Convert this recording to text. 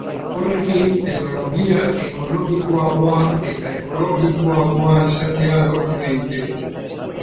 Horrekin, teknologia ekonomikoagoa eta ekologikoagoa izatea lortu nahi dute.